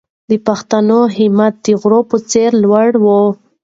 د پښتنو همت د غره په څېر لوړ و.